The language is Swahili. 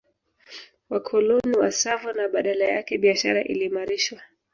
Wakoloni wa Tsavo na badala yake biashara iliimarishwa